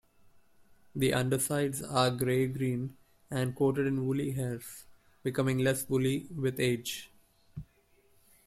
The undersides are gray-green and coated in woolly hairs, becoming less woolly with age.